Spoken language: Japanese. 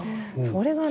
それがね